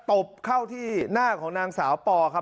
ตบเข้าที่หน้าของนางสาวปอครับ